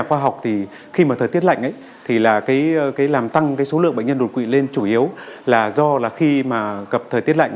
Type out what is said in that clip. thời tiết lạnh làm tăng số lượng bệnh nhân đột quỵ lên chủ yếu là do khi gặp thời tiết lạnh